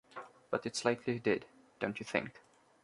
But it’s likely He did, don’t you think?